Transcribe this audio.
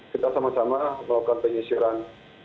kita sama sama melakukan penyisiran